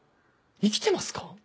生きてますか？